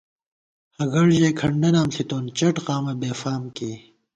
ہگڑ ژَئی کھنڈہ نام ݪِتون ، چٹ قامہ بےفام کېئی